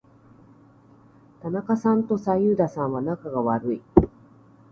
田中さんと左右田さんは仲が悪い。